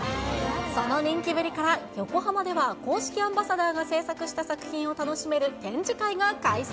その人気ぶりから、横浜では公式アンバサダーが製作した作品を楽しめる展示会が開催。